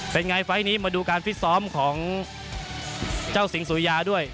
เป็นไงไฟล์นี้มาดูการฟิตซ้อมของเจ้าสิงสุริยาด้วย